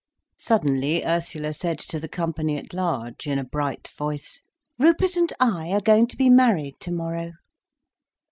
Suddenly Ursula said to the company at large, in a bright voice, "Rupert and I are going to be married tomorrow."